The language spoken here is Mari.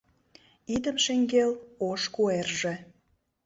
Идым шеҥгел ош куэрже